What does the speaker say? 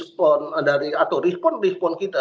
sehingga reaksi reaksi atau respon respon kita